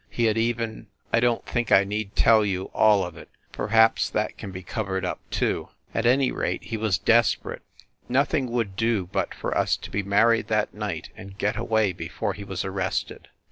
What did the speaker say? He had even ... I don t think I need tell you all of it ... perhaps that can be covered up, too ... At any rate he was desperate. Nothing would do but for us to be married that night and get away before he was arrested.